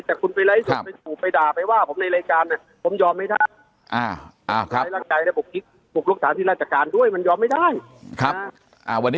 แต่คุณไปไล่ส่วนไปสู่ไปด่าไปว่าผมในรายการผมยอมไม่ได้